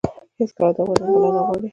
هېڅ دعوا دنګله نه غواړي